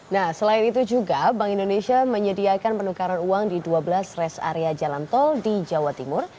nah selain itu juga bank indonesia menyediakan penukaran uang di dua belas rest area jalan tol di jawa timur